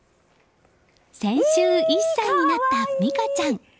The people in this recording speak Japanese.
先週１歳になった実架ちゃん。